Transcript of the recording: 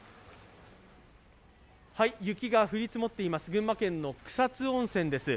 雪が降り積もっています、群馬県の草津温泉です。